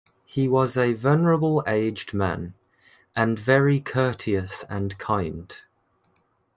He was a "venerable aged man", and very courteous and kind.